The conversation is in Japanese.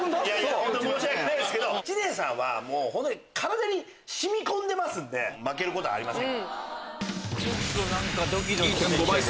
ホント申し訳ないですけど知念さんはホントに体に染み込んでますんで負けることはありません。